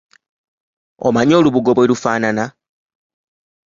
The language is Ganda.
Omanyi olubugo bwe lufaanana?